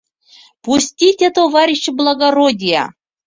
— Пуститя, товарищи-благородия.